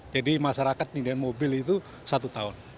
jadi masyarakat indian mobil itu satu tahun